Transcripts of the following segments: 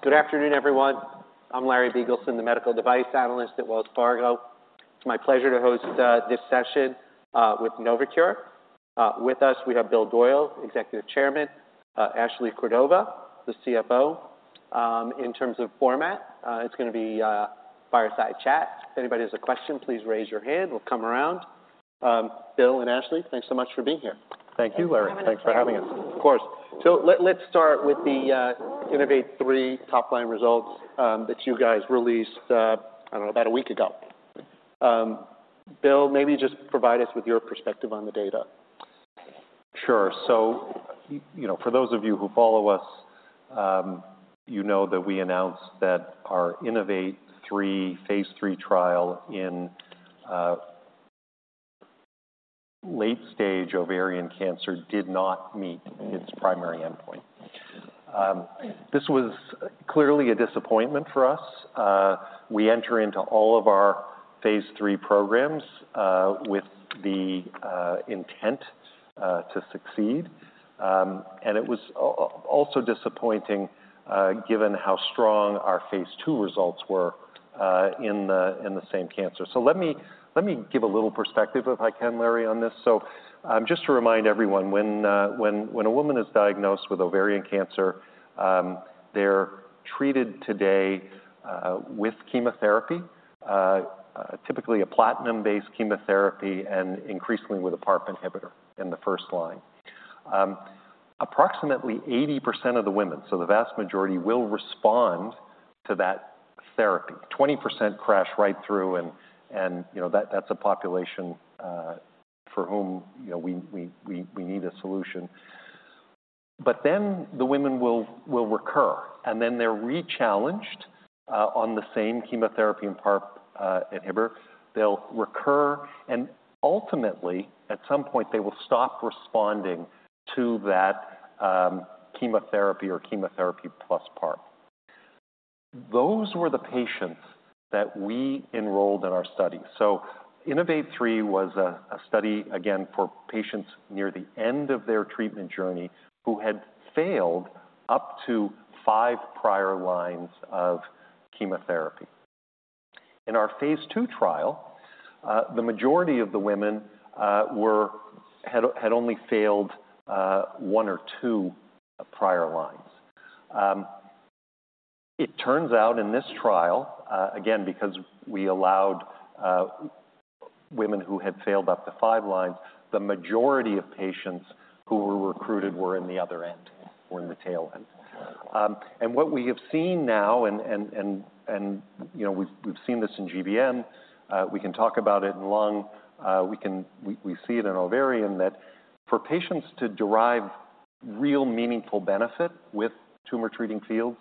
Good afternoon, everyone. I'm Larry Biegelsen, the medical device analyst at Wells Fargo. It's my pleasure to host this session with Novocure. With us, we have Bill Doyle, Executive Chairman, Ashley Cordova, the CFO. In terms of format, it's gonna be a fireside chat. If anybody has a question, please raise your hand. We'll come around. Bill and Ashley, thanks so much for being here. Thank you, Larry. Thank you for having us. Thanks for having us. Of course. So let's start with the INNOVATE-3 top-line results that you guys released, I don't know, about a week ago. Bill, maybe just provide us with your perspective on the data. Sure. So, you know, for those of you who follow us, you know that we announced that our INNOVATE-3 phase III trial in late-stage ovarian cancer did not meet its primary endpoint. This was clearly a disappointment for us. We enter into all of our phase III programs with the intent to succeed. And it was also disappointing, given how strong our phase II results were in the same cancer. So let me give a little perspective if I can, Larry, on this. So, just to remind everyone, when a woman is diagnosed with ovarian cancer, they're treated today with chemotherapy, typically a platinum-based chemotherapy and increasingly with a PARP inhibitor in the first line. Approximately 80% of the women, so the vast majority, will respond to that therapy. 20% crash right through and, you know, that's a population for whom, you know, we need a solution. But then the women will recur, and then they're rechallenged on the same chemotherapy and PARP inhibitor. They'll recur, and ultimately, at some point, they will stop responding to that chemotherapy or chemotherapy plus PARP. Those were the patients that we enrolled in our study. So INNOVATE-3 was a study, again, for patients near the end of their treatment journey, who had failed up to five prior lines of chemotherapy. In our phase II trial, the majority of the women had only failed one or two prior lines. It turns out in this trial, again, because we allowed women who had failed up to five lines, the majority of patients who were recruited were in the other end, were in the tail end. And what we have seen now, and, you know, we've seen this in GBM, we can talk about it in lung, we can... We see it in ovarian that for patients to derive real meaningful benefit with Tumor Treating Fields,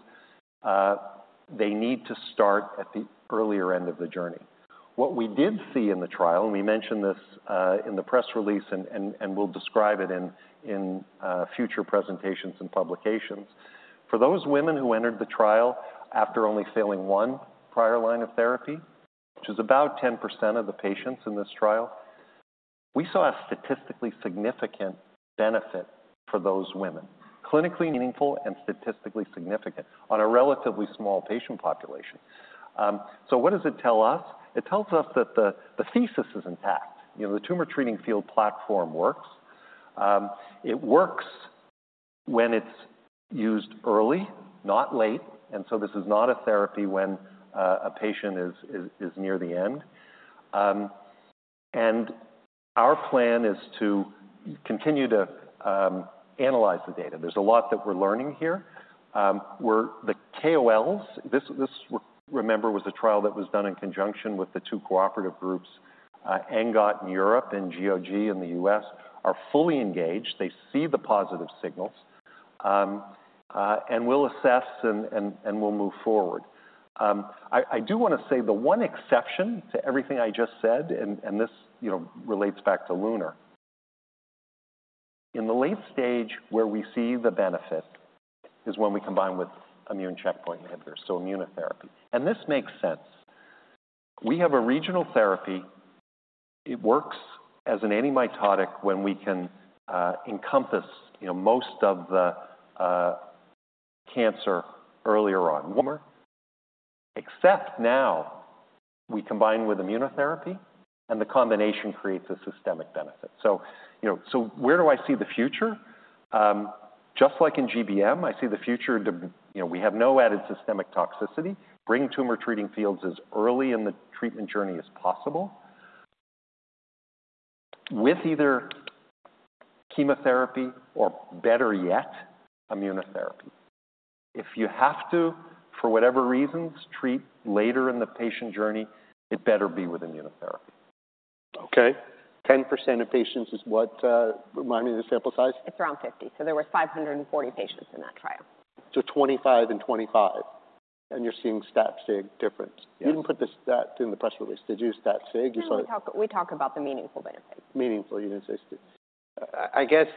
they need to start at the earlier end of the journey. What we did see in the trial, and we mentioned this in the press release and we'll describe it in future presentations and publications, for those women who entered the trial after only failing one prior line of therapy, which is about 10% of the patients in this trial, we saw a statistically significant benefit for those women, clinically meaningful and statistically significant on a relatively small patient population. What does it tell us? It tells us that the thesis is intact. You know, the Tumor Treating Fields platform works. It works when it's used early, not late, and this is not a therapy when a patient is near the end. Our plan is to continue to analyze the data. There's a lot that we're learning here. We're the KOLs. Remember, this was a trial that was done in conjunction with the two cooperative groups, ENGOT in Europe and GOG in the U.S, are fully engaged. They see the positive signals, and we'll assess and we'll move forward. I do wanna say the one exception to everything I just said, and this, you know, relates back to LUNAR. In the late stage, where we see the benefit is when we combine with immune checkpoint inhibitors, so immunotherapy, and this makes sense. We have a regional therapy. It works as an antimitotic when we can encompass, you know, most of the cancer earlier on, warmer. Except now, we combine with immunotherapy, and the combination creates a systemic benefit. So, you know, so where do I see the future? Just like in GBM, I see the future to, you know, we have no added systemic toxicity. Bring Tumor Treating Fields as early in the treatment journey as possible, with either chemotherapy or better yet, immunotherapy. If you have to, for whatever reasons, treat later in the patient journey, it better be with immunotherapy. Okay. 10% of patients is what? Remind me the sample size. It's around 50, so there were 540 patients in that trial. 25 and 25, and you're seeing stat sig difference. Yes. You didn't put the stat in the press release. Did you stat sig? You saw it- No, we talk, we talk about the meaningful benefit. Meaningful, you didn't say sig. I guess,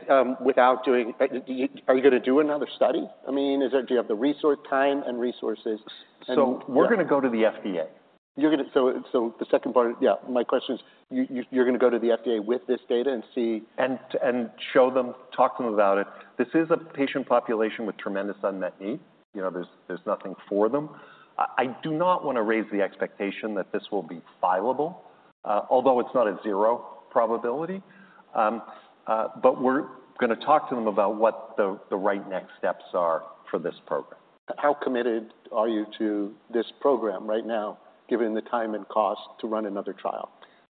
without doing... Do you, are you gonna do another study? I mean, is there— do you have the resource, time and resources and- We're gonna go to the FDA.... You're gonna, so the second part, yeah, my question is, you, you're gonna go to the FDA with this data and see- Show them, talk to them about it. This is a patient population with tremendous unmet need. You know, there's nothing for them. I do not wanna raise the expectation that this will be fileable, although it's not a zero probability. But we're gonna talk to them about what the right next steps are for this program. How committed are you to this program right now, given the time and cost to run another trial?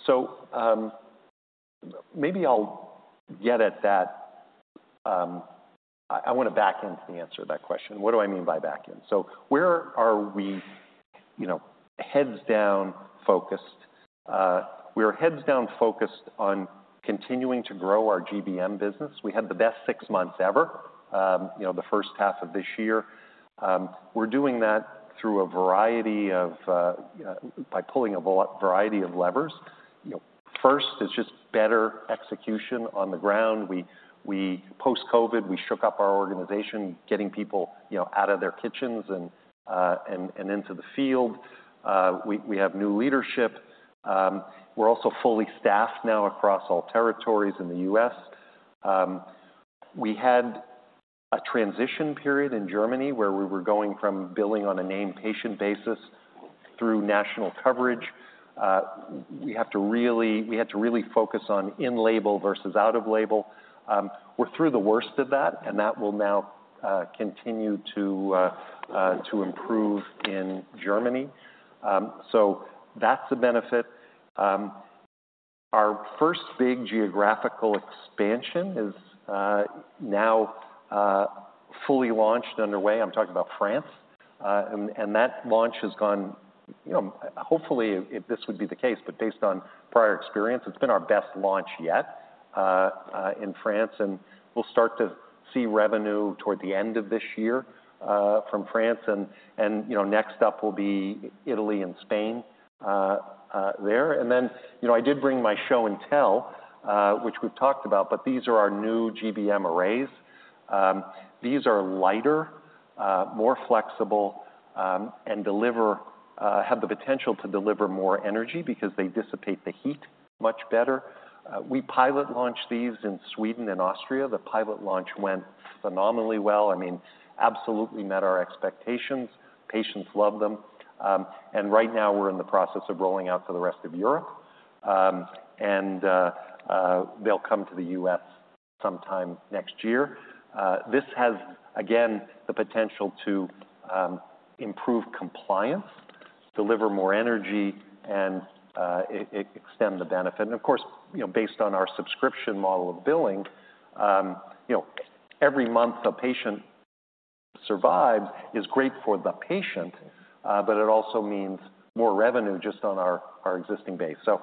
So, maybe I'll get at that. I wanna back into the answer to that question. What do I mean by back in? So where are we, you know, heads down focused? We are heads down focused on continuing to grow our GBM business. We had the best six months ever, you know, the first half of this year. We're doing that through a variety of levers. You know, first, it's just better execution on the ground. Post-COVID, we shook up our organization, getting people, you know, out of their kitchens and into the field. We have new leadership. We're also fully staffed now across all territories in the U.S. We had a transition period in Germany, where we were going from billing on a named patient basis through national coverage. We had to really focus on in-label versus out-of-label. We're through the worst of that, and that will now continue to improve in Germany. So that's a benefit. Our first big geographical expansion is now fully launched, underway. I'm talking about France. And that launch has gone, you know... Hopefully, if this would be the case, but based on prior experience, it's been our best launch yet in France, and we'll start to see revenue toward the end of this year from France. And you know, next up will be Italy and Spain there. You know, I did bring my show and tell, which we've talked about, but these are our new GBM arrays. These are lighter, more flexible, and have the potential to deliver more energy because they dissipate the heat much better. We pilot launched these in Sweden and Austria. The pilot launch went phenomenally well, I mean, absolutely met our expectations. Patients love them. Right now we're in the process of rolling out to the rest of Europe, and they'll come to the U.S. sometime next year. This has, again, the potential to improve compliance, deliver more energy, and it extend the benefit. Of course, you know, based on our subscription model of billing, you know, every month a patient survives is great for the patient, but it also means more revenue just on our, our existing base. So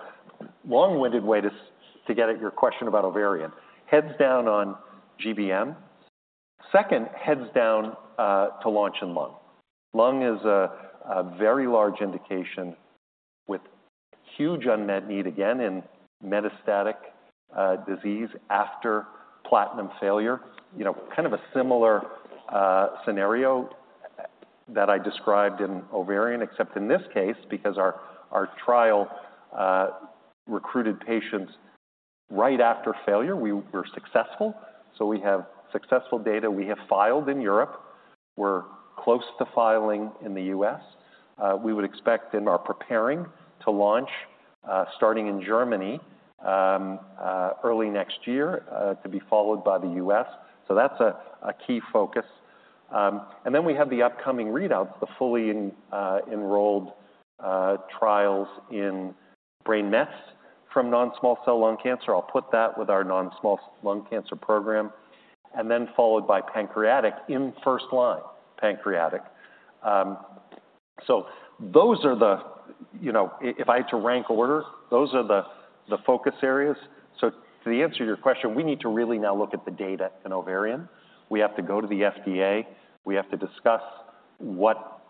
long-winded way to get at your question about ovarian, heads down on GBM. Second, heads down, to launch in lung. Lung is a very large indication with huge unmet need, again, in metastatic disease after platinum failure. You know, kind of a similar scenario that I described in ovarian, except in this case, because our, our trial recruited patients right after failure, we were successful. So we have successful data we have filed in Europe. We're close to filing in the U.S. We would expect and are preparing to launch, starting in Germany, early next year, to be followed by the U.S. So that's a key focus. And then we have the upcoming readouts, the fully enrolled trials in brain mets from non-small cell lung cancer. I'll put that with our non-small cell lung cancer program, and then followed by pancreatic, in first line pancreatic. So those are the... You know, if I had to rank order, those are the focus areas. So to answer your question, we need to really now look at the data in ovarian. We have to go to the FDA. We have to discuss what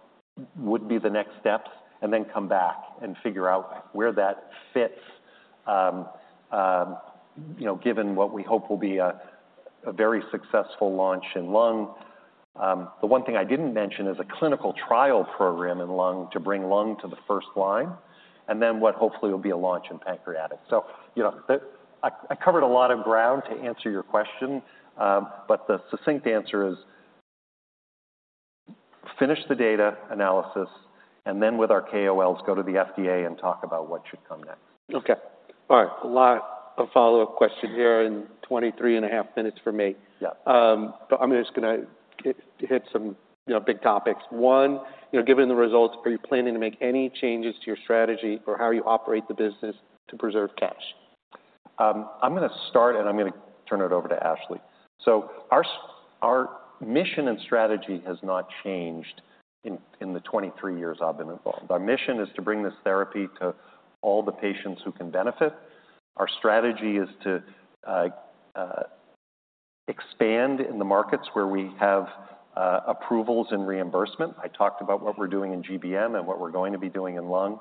would be the next steps, and then come back and figure out where that fits, you know, given what we hope will be a very successful launch in lung. The one thing I didn't mention is a clinical trial program in lung to bring lung to the first line, and then what hopefully will be a launch in pancreatic. So, you know, I covered a lot of ground to answer your question, but the succinct answer is, finish the data analysis, and then with our KOLs, go to the FDA and talk about what should come next. Okay. All right. A lot of follow-up questions here in 23.5 minutes for me. Yeah. I'm just gonna hit some, you know, big topics. One, you know, given the results, are you planning to make any changes to your strategy or how you operate the business to preserve cash? I'm gonna start, and I'm gonna turn it over to Ashley. So our mission and strategy has not changed in the 23 years I've been involved. Our mission is to bring this therapy to all the patients who can benefit. Our strategy is to expand in the markets where we have approvals and reimbursement. I talked about what we're doing in GBM and what we're going to be doing in lung.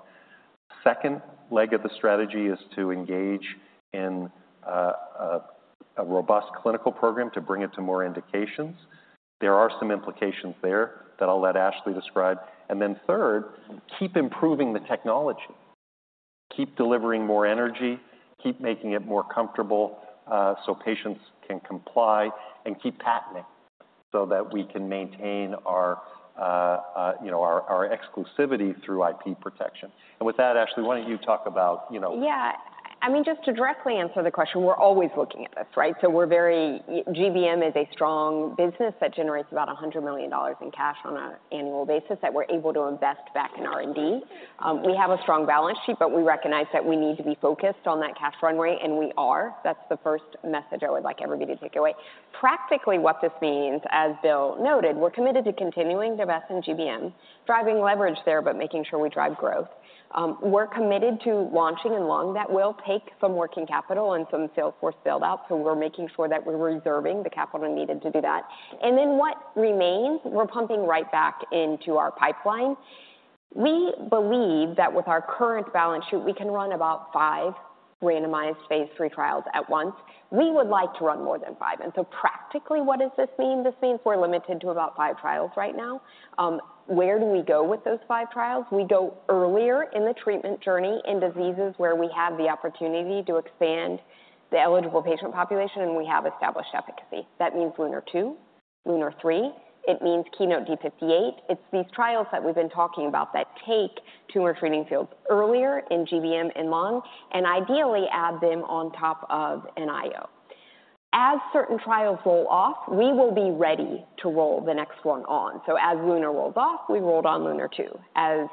Second leg of the strategy is to engage in a robust clinical program to bring it to more indications. There are some implications there that I'll let Ashley describe. And then third, keep improving the technology. Keep delivering more energy, keep making it more comfortable, so patients can comply, and keep patenting, so that we can maintain our, you know, our exclusivity through IP protection. With that, Ashley, why don't you talk about, you know- Yeah. I mean, just to directly answer the question, we're always looking at this, right? So GBM is a strong business that generates about $100 million in cash on an annual basis that we're able to invest back in R&D. We have a strong balance sheet, but we recognize that we need to be focused on that cash run rate, and we are. That's the first message I would like everybody to take away. Practically, what this means, as Bill noted, we're committed to continuing to invest in GBM, driving leverage there, but making sure we drive growth. We're committed to launching in lung. That will take some working capital and some sales force build-out, so we're making sure that we're reserving the capital needed to do that. And then what remains, we're pumping right back into our pipeline. We believe that with our current balance sheet, we can run about five randomized phase III trials at once. We would like to run more than five, and so practically, what does this mean? This means we're limited to about five trials right now. Where do we go with those five trials? We go earlier in the treatment journey in diseases where we have the opportunity to expand the eligible patient population, and we have established efficacy. That means LUNAR-2, LUNAR-3. It means KEYNOTE-D58. It's these trials that we've been talking about that take Tumor Treating Fields earlier in GBM and lung, and ideally add them on top of an IO. As certain trials roll off, we will be ready to roll the next one on. So as LUNAR rolls off, we rolled on LUNAR-2. As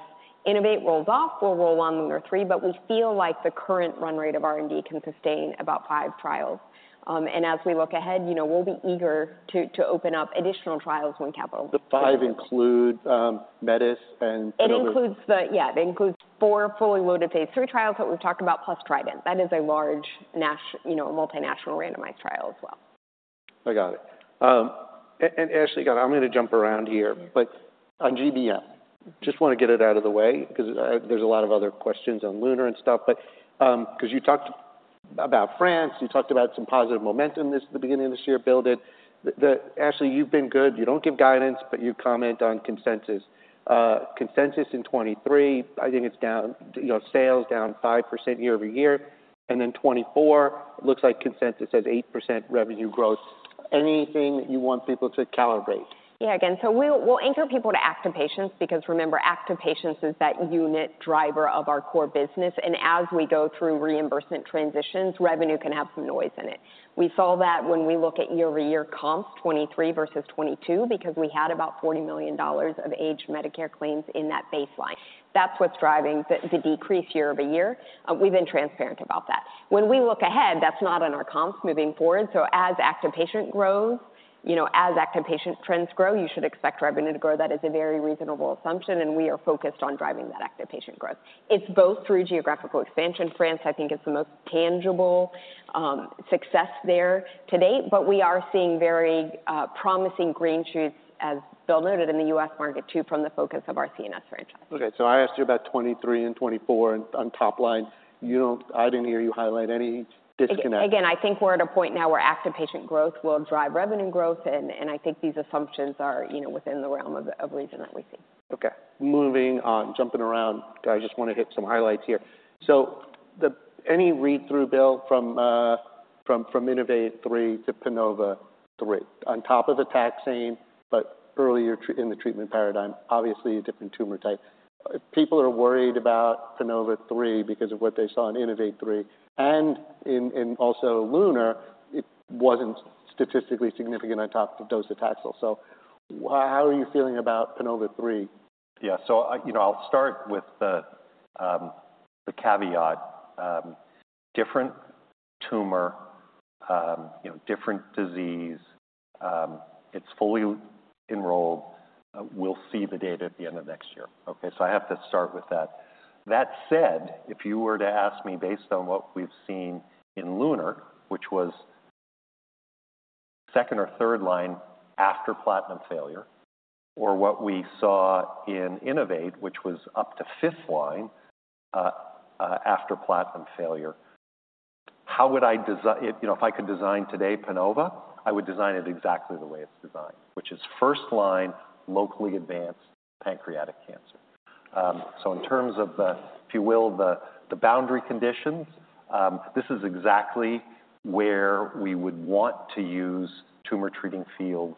INNOVATE-3 rolls off, we'll roll on LUNAR-3, but we feel like the current run rate of R&D can sustain about five trials. And as we look ahead, you know, we'll be eager to, to open up additional trials when capital- The five include METIS and- It includes... Yeah, it includes four fully loaded phase III trials that we've talked about, plus TRIDENT. That is a large, you know, a multinational randomized trial as well. I got it. And Ashley, again, I'm going to jump around here. Sure. But on GBM, just want to get it out of the way, because there's a lot of other questions on LUNAR and stuff. But because you talked about France, you talked about some positive momentum this, the beginning of this year, Bill did. Ashley, you've been good. You don't give guidance, but you comment on consensus. Consensus in 2023, I think it's down, you know, sales down 5% year-over-year, and then 2024, looks like consensus says 8% revenue growth. Anything you want people to calibrate? Yeah. Again, so we'll anchor people to active patients, because remember, active patients is that unit driver of our core business, and as we go through reimbursement transitions, revenue can have some noise in it. We saw that when we look at year-over-year comps, 2023 versus 2022, because we had about $40 million of aged Medicare claims in that baseline. That's what's driving the decrease year-over-year. We've been transparent about that. When we look ahead, that's not on our comps moving forward, so as active patient grows, you know, as active patient trends grow, you should expect revenue to grow. That is a very reasonable assumption, and we are focused on driving that active patient growth. It's both through geographical expansion, France, I think, is the most tangible success there to date, but we are seeing very promising green shoots, as Bill noted, in the US market, too, from the focus of our CNS franchise. Okay, so I asked you about 2023 and 2024 on, on top line. You don't, I didn't hear you highlight any disconnect. Again, I think we're at a point now where active patient growth will drive revenue growth, and I think these assumptions are, you know, within the realm of reason that we see. Okay. Moving on, jumping around, I just want to hit some highlights here. So, any read-through, Bill, from INNOVATE-3 to PANOVA-3, on top of the taxane, but earlier in the treatment paradigm, obviously a different tumor type. People are worried about PANOVA-3 because of what they saw in INNOVATE-3 and also in LUNAR. It wasn't statistically significant on top of docetaxel. So how are you feeling about PANOVA-3? Yeah. So I, you know, I'll start with the caveat. Different tumor, you know, different disease. It's fully enrolled. We'll see the data at the end of next year, okay? So I have to start with that. That said, if you were to ask me, based on what we've seen in LUNAR, which was second or third line after platinum failure, or what we saw in INNOVATE, which was up to fifth line after platinum failure, you know, if I could design today PANOVA, I would design it exactly the way it's designed, which is first line, locally advanced pancreatic cancer. So in terms of the, if you will, the boundary conditions, this is exactly where we would want to use Tumor Treating Fields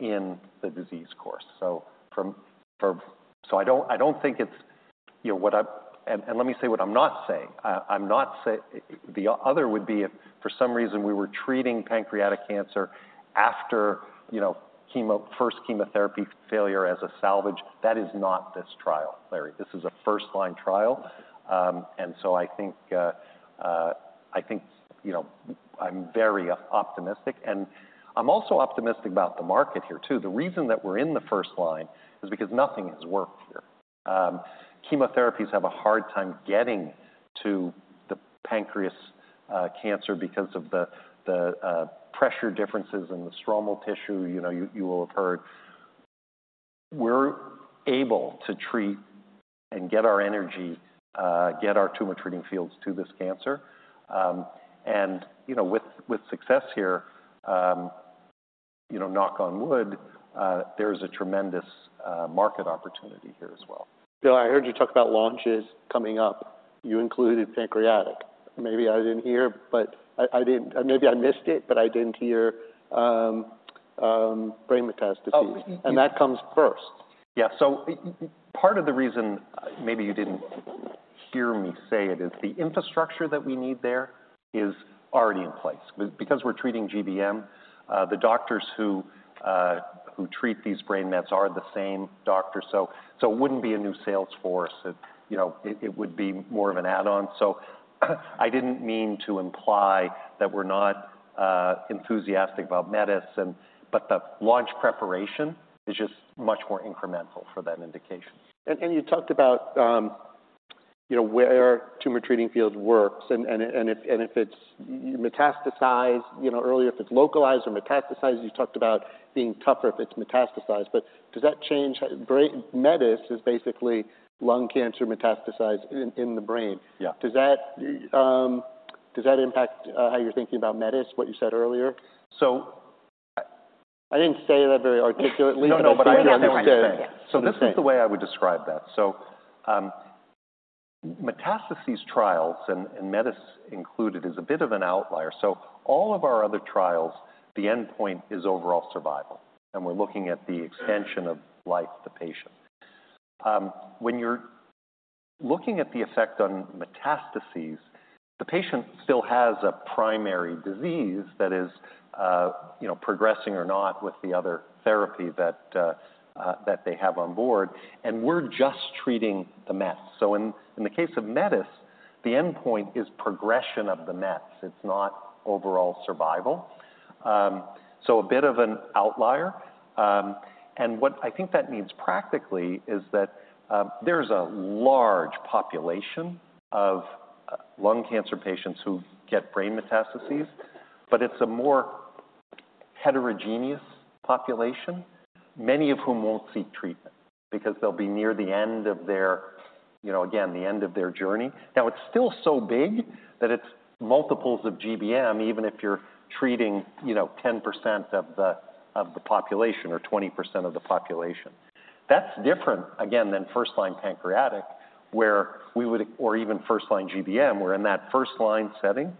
in the disease course. I don't think it's, you know, what I—and let me say what I'm not saying. The other would be if for some reason we were treating pancreatic cancer after, you know, chemo, first chemotherapy failure as a salvage. That is not this trial, Larry. This is a first-line trial. And so I think, you know, I'm very optimistic, and I'm also optimistic about the market here, too. The reason that we're in the first line is because nothing has worked here. Chemotherapies have a hard time getting to the pancreas cancer because of the pressure differences in the stromal tissue. You know, we're able to treat and get our energy, get our Tumor Treating Fields to this cancer. And, you know, with success here, you know, knock on wood, there's a tremendous market opportunity here as well. So I heard you talk about launches coming up. You included pancreatic. Maybe I didn't hear, but maybe I missed it, but I didn't hear brain metastases. Oh. and that comes first. Yeah. So part of the reason maybe you didn't hear me say it is the infrastructure that we need there is already in place. Because we're treating GBM, the doctors who treat these brain mets are the same doctors, so it wouldn't be a new sales force. It, you know, it would be more of an add-on. So I didn't mean to imply that we're not enthusiastic about METIS, but the launch preparation is just much more incremental for that indication. You talked about, you know, where Tumor Treating Fields works, and if it's metastasized, you know, earlier, if it's localized or metastasized, you talked about being tougher if it's metastasized. But does that change brain-- METIS is basically lung cancer metastasized in the brain. Yeah. Does that, does that impact how you're thinking about METIS, what you said earlier? So, uh- I didn't say that very articulately. No, no, but I know what you're saying. Yeah. So this is the way I would describe that: so, metastases trials, and METIS included, is a bit of an outlier. So all of our other trials, the endpoint is overall survival, and we're looking at the extension of life of the patient. When you're looking at the effect on metastases, the patient still has a primary disease that is, you know, progressing or not with the other therapy that they have on board, and we're just treating the mets. So in the case of METIS, the endpoint is progression of the mets. It's not overall survival. So a bit of an outlier. And what I think that means practically is that, there's a large population of lung cancer patients who get brain metastases, but it's a more heterogeneous population, many of whom won't seek treatment because they'll be near the end of their, you know, again, the end of their journey. Now, it's still so big that it's multiples of GBM, even if you're treating, you know, 10% of the population or 20% of the population. That's different, again, than first-line pancreatic, where we would... or even first-line GBM, where in that first-line setting,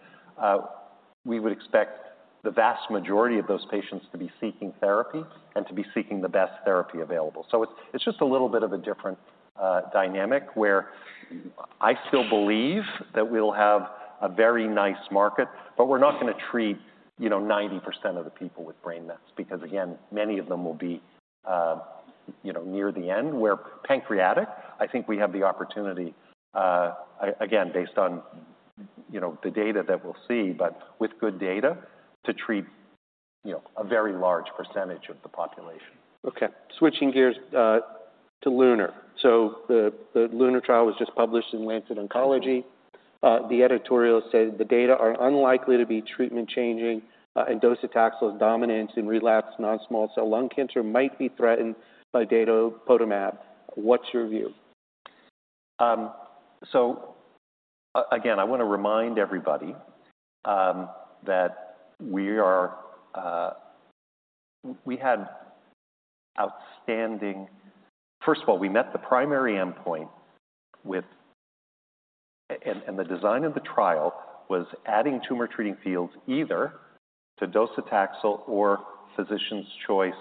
we would expect the vast majority of those patients to be seeking therapy and to be seeking the best therapy available. So it's just a little bit of a different dynamic, where I still believe that we'll have a very nice market, but we're not going to treat, you know, 90% of the people with brain mets because, again, many of them will be, you know, near the end. Where pancreatic, I think we have the opportunity, again, based on, you know, the data that we'll see, but with good data, to treat, you know, a very large percentage of the population. Okay, switching gears to LUNAR. So the LUNAR trial was just published in Lancet Oncology. The editorial said the data are unlikely to be treatment-changing, and docetaxel's dominance in relapsed non-small cell lung cancer might be threatened by datopotamab. What's your view? So again, I want to remind everybody that we are. We had outstanding. First of all, we met the primary endpoint with. And the design of the trial was adding Tumor Treating Fields either to docetaxel or physician's choice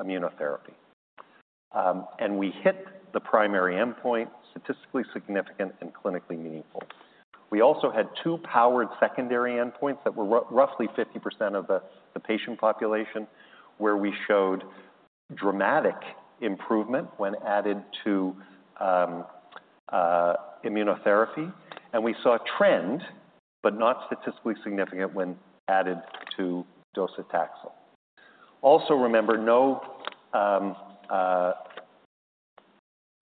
immunotherapy. And we hit the primary endpoint, statistically significant and clinically meaningful. We also had two powered secondary endpoints that were roughly 50% of the patient population, where we showed dramatic improvement when added to immunotherapy, and we saw a trend, but not statistically significant, when added to docetaxel. Also, remember, no,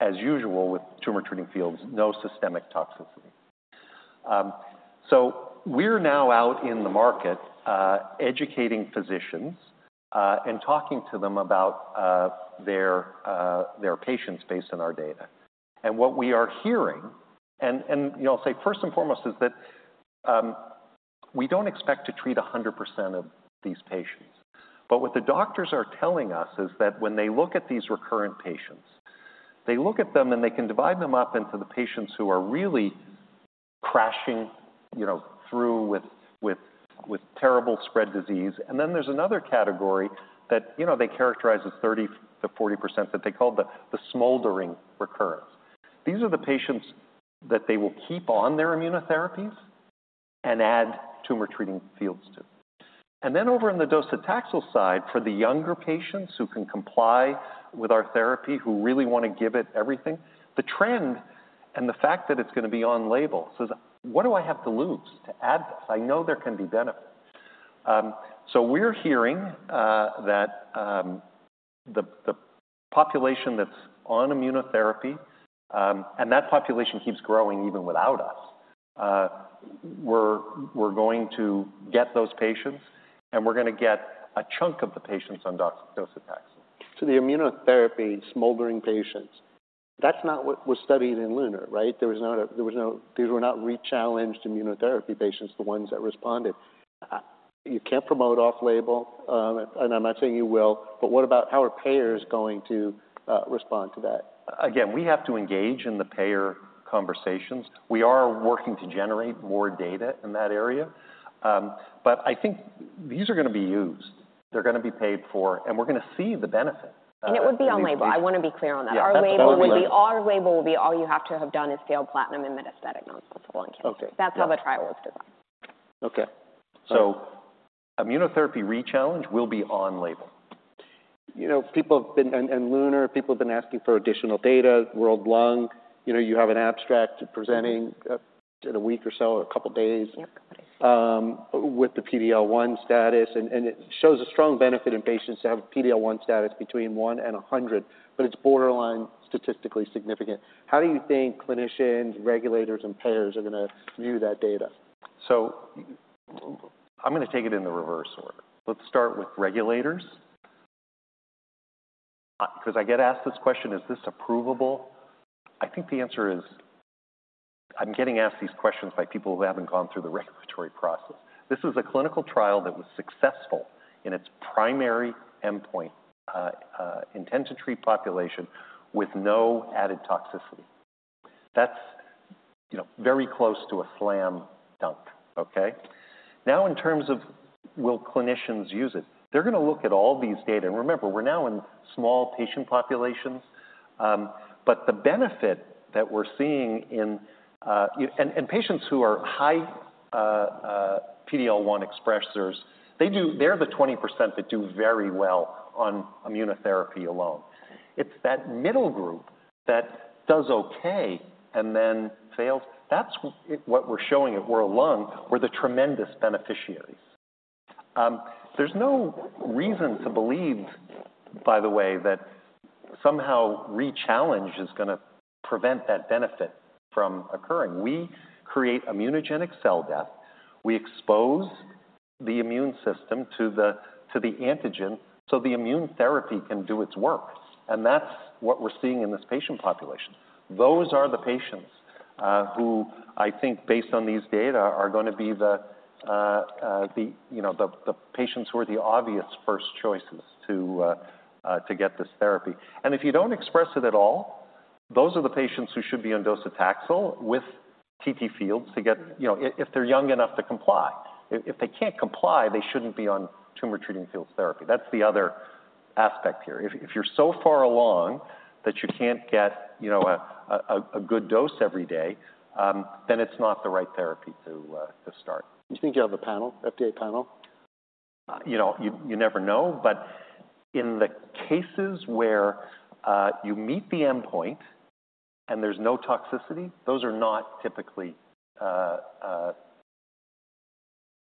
as usual with Tumor Treating Fields, no systemic toxicity. So we're now out in the market, educating physicians, and talking to them about their patients based on our data. And what we are hearing, and, you know, I'll say first and foremost, is that we don't expect to treat 100% of these patients. But what the doctors are telling us is that when they look at these recurrent patients, they look at them, and they can divide them up into the patients who are really crashing, you know, through with terrible spread disease. And then there's another category that, you know, they characterize as 30%-40% that they call the smoldering recurrence. These are the patients that they will keep on their immunotherapies and add Tumor Treating Fields to. And then over in the docetaxel side, for the younger patients who can comply with our therapy, who really want to give it everything, the trend and the fact that it's going to be on label says: "What do I have to lose to add this? I know there can be benefit." So we're hearing that the population that's on immunotherapy, and that population keeps growing even without us, we're going to get those patients, and we're gonna get a chunk of the patients on docetaxel. So the immunotherapy smoldering patients, that's not what was studied in LUNAR, right? There was no. These were not rechallenged immunotherapy patients, the ones that responded. You can't promote off-label, and I'm not saying you will, but what about how are payers going to respond to that? Again, we have to engage in the payer conversations. We are working to generate more data in that area. But I think these are gonna be used, they're gonna be paid for, and we're gonna see the benefit. It would be in-label, I wanna be clear on that. Yeah. Our label will be all you have to have done is failed platinum and metastatic non-small cell lung cancer. Okay. That's how the trial was designed. Okay. Immunotherapy rechallenge will be in-label. You know, people have been... In LUNAR, people have been asking for additional data. World Lung, you know, you have an abstract presenting in a week or so, or a couple days- Yep, couple days. with the PD-L1 status, and it shows a strong benefit in patients that have a PD-L1 status between one and 100, but it's borderline statistically significant. How do you think clinicians, regulators, and payers are gonna view that data? So I'm gonna take it in the reverse order. Let's start with regulators. 'Cause I get asked this question: "Is this approvable?" I think the answer is, I'm getting asked these questions by people who haven't gone through the regulatory process. This is a clinical trial that was successful in its primary endpoint, intent to treat population with no added toxicity. That's, you know, very close to a slam dunk, okay? Now, in terms of will clinicians use it, they're gonna look at all these data, and remember, we're now in small patient populations. But the benefit that we're seeing in and patients who are high, PD-L1 expressers, they're the 20% that do very well on immunotherapy alone. It's that middle group that does okay and then fails. That's what we're showing at World Lung, we're the tremendous beneficiaries. There's no reason to believe, by the way, that somehow rechallenge is gonna prevent that benefit from occurring. We create immunogenic cell death. We expose the immune system to the, to the antigen, so the immune therapy can do its work, and that's what we're seeing in this patient population. Those are the patients who I think based on these data, are gonna be the, you know, the patients who are the obvious first choices to get this therapy. And if you don't express it at all, those are the patients who should be on docetaxel with TT fields to get... You know, if they're young enough to comply. If they can't comply, they shouldn't be on Tumor Treating Fields therapy. That's the other aspect here. If you're so far along that you can't get, you know, a good dose every day, then it's not the right therapy to start. You think you'll have a panel, FDA panel? You know, you never know, but in the cases where you meet the endpoint and there's no toxicity, those are not typically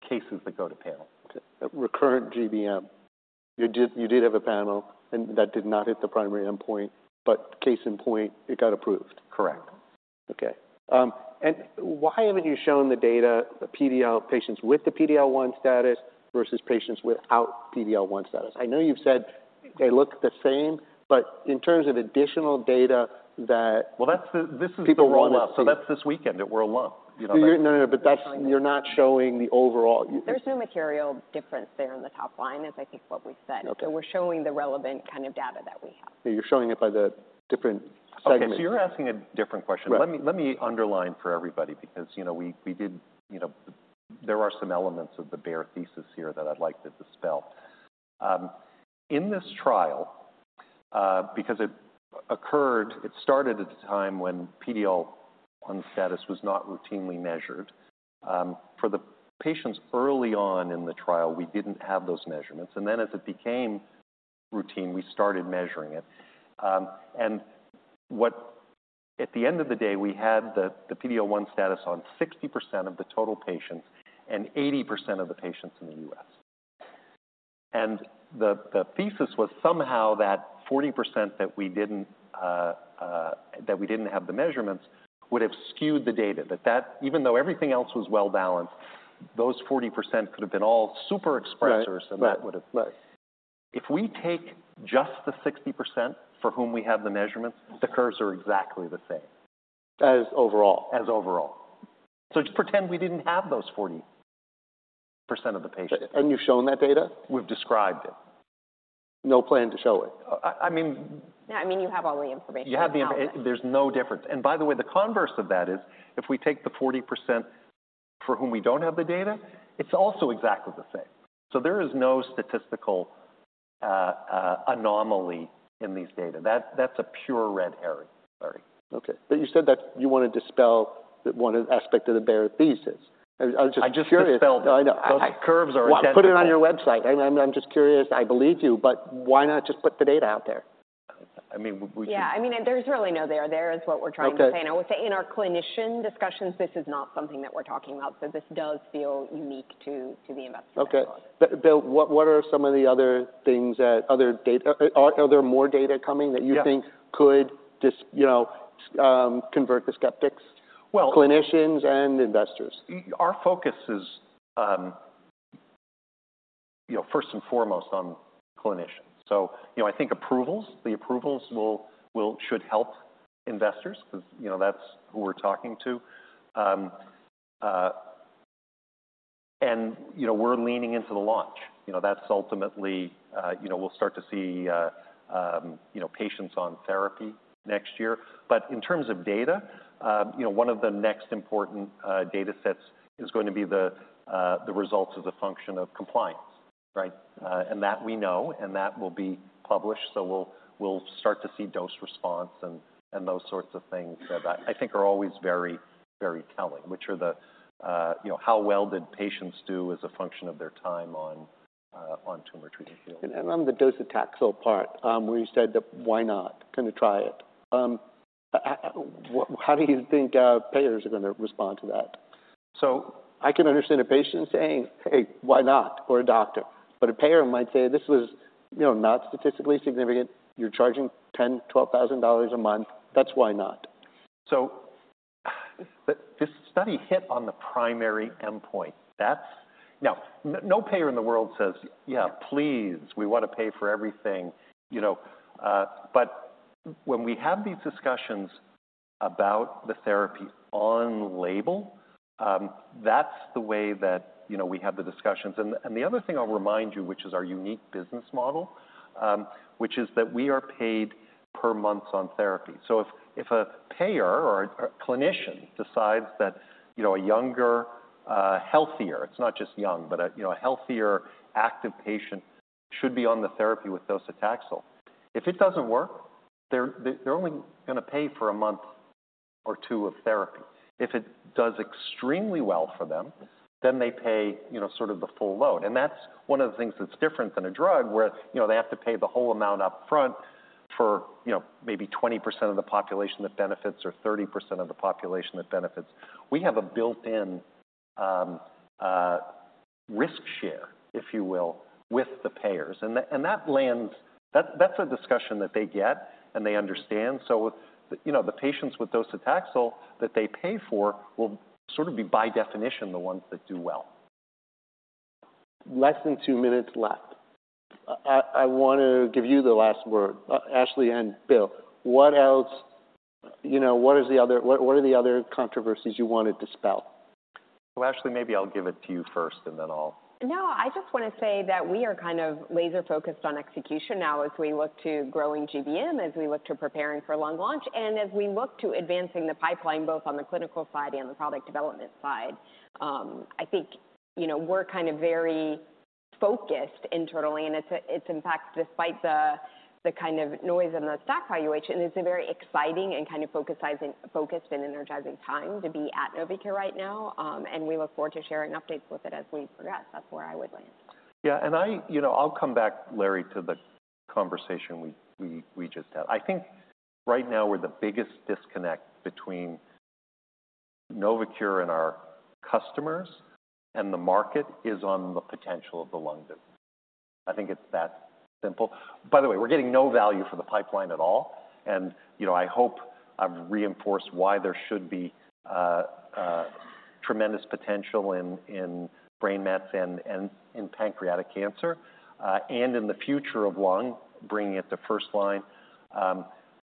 cases that go to panel. Okay. Recurrent GBM, you did, you did have a panel and that did not hit the primary endpoint, but case in point, it got approved. Correct. Okay. And why haven't you shown the data, the PD-L1 patients with the PD-L1 status versus patients without PD-L1 status? I know you've said they look the same, but in terms of additional data that- Well, this is the rollout. People want to see. That's this weekend at World Lung, you know, that- No, no, no, but that's- We're showing it. You're not showing the overall- There's no material difference there in the top line, is I think what we've said. Okay. We're showing the relevant kind of data that we have. Yeah, you're showing it by the different segments. Okay, so you're asking a different question. Right. Let me underline for everybody because, you know, we did. You know, there are some elements of the bear thesis here that I'd like to dispel. In this trial, because it occurred—it started at a time when PD-L1 status was not routinely measured. For the patients early on in the trial, we didn't have those measurements, and then as it became routine, we started measuring it. And what— At the end of the day, we had the PD-L1 status on 60% of the total patients and 80% of the patients in the U.S. And the thesis was somehow that 40% that we didn't have the measurements would have skewed the data. That that—even though everything else was well-balanced, those 40% could have been all super expressers- Right... and that would have Right. If we take just the 60% for whom we have the measurements, the curves are exactly the same. As overall? As overall. So just pretend we didn't have those 40% of the patients. You've shown that data? We've described it. No plan to show it? I mean- I mean, you have all the information you need. There's no difference. And by the way, the converse of that is, if we take the 40% for whom we don't have the data, it's also exactly the same. So there is no statistical anomaly in these data. That's a pure red herring, Larry. Okay. But you said that you want to dispel one aspect of the bear thesis, and I'm just curious- I just dispelled it. I know. Those curves are identical. Well, put it on your website. I'm, I'm just curious. I believe you, but why not just put the data out there? I mean, we Yeah, I mean, there's really no there there, is what we're trying to say. Okay. I would say in our clinician discussions, this is not something that we're talking about, so this does feel unique to the investment. Okay. But, Bill, what are some of the other things? Are there more data coming- Yeah... that you think could just, you know, convert the skeptics? Well- Clinicians and investors. Our focus is, you know, first and foremost on clinicians. You know, I think approvals, the approvals will, will-- should help investors because, you know, that's who we're talking to. You know, we're leaning into the launch. You know, that's ultimately, you know, we'll start to see, you know, patients on therapy next year. In terms of data, you know, one of the next important, you know, data sets is going to be the, the results of the function of compliance, right? That we know, and that will be published, so we'll, we'll start to see dose response and, and those sorts of things that, I think are always very, very telling, which are the, you know, how well did patients do as a function of their time on, on Tumor Treating Fields? On the docetaxel part, where you said that why not kind of try it? How do you think payers are going to respond to that? So I can understand a patient saying, "Hey, why not?" Or a doctor, but a payer might say, "This was, you know, not statistically significant. You're charging $10,000-$12,000 a month. That's why not. So this study hit on the primary endpoint. That's. Now, no payer in the world says, "Yeah, please, we want to pay for everything," you know? But when we have these discussions about the therapy on label, that's the way that, you know, we have the discussions. And the other thing I'll remind you, which is our unique business model, which is that we are paid per month on therapy. So if a payer or a clinician decides that, you know, a younger, healthier, it's not just young, but a, you know, a healthier, active patient should be on the therapy with docetaxel. If it doesn't work, they're only going to pay for a month or two of therapy. If it does extremely well for them, then they pay, you know, sort of the full load, and that's one of the things that's different than a drug where, you know, they have to pay the whole amount upfront for, you know, maybe 20% of the population that benefits or 30% of the population that benefits. We have a built-in risk share, if you will, with the payers, and that. That's a discussion that they get, and they understand. So, you know, the patients with docetaxel that they pay for will sort of be, by definition, the ones that do well. Less than two minutes left. I want to give you the last word, Ashley and Bill. What else? You know, what is the other—what are the other controversies you wanted to spell? Well, Ashley, maybe I'll give it to you first, and then I'll- No, I just want to say that we are kind of laser-focused on execution now as we look to growing GBM, as we look to preparing for lung launch, and as we look to advancing the pipeline both on the clinical side and the product development side. I think, you know, we're kind of very focused internally, and it's, it's in fact, despite the, the kind of noise and the stock valuation, it's a very exciting and kind of focusing-focused and energizing time to be at Novocure right now. And we look forward to sharing updates with it as we progress. That's where I would land. Yeah, and you know, I'll come back, Larry, to the conversation we just had. I think right now we're the biggest disconnect between Novocure and our customers, and the market is on the potential of the lung business. I think it's that simple. By the way, we're getting no value for the pipeline at all, and you know, I hope I've reinforced why there should be tremendous potential in brain mets and in pancreatic cancer, and in the future of lung, bringing it to first line.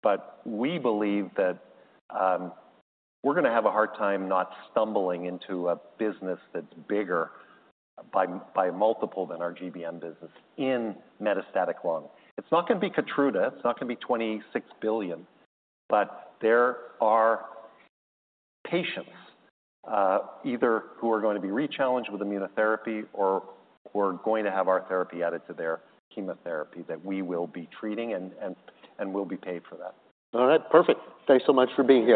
But we believe that we're going to have a hard time not stumbling into a business that's bigger by multiple than our GBM business in metastatic lung. It's not going to be Keytruda. It's not going to be $26 billion, but there are patients, either who are going to be rechallenged with immunotherapy or who are going to have our therapy added to their chemotherapy that we will be treating and we'll be paid for that. All right, perfect. Thanks so much for being here.